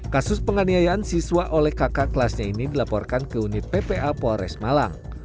kasus penganiayaan siswa oleh kakak kelasnya ini dilaporkan ke unit ppa polres malang